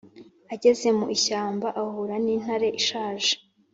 Ageze mu ishyamba, ahura n'intare ishaje,